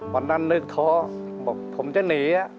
วันนั้นนึกท้อบอกผมจะหนี